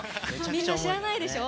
みんな、知らないでしょ。